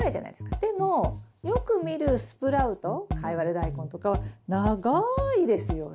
でもよく見るスプラウトカイワレダイコンとかは長いですよね。